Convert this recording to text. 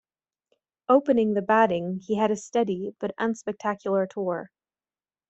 Opening the batting he had a steady, but unspectacular tour.